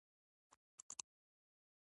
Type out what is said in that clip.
یاسمین کاکړۍ غاړې په پیسو عرضه کوي.